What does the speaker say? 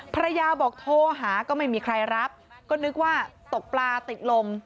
ภรรยาบอกโทรหาก็ไม่มีใครรับก็นึกว่าตกปลาติดลม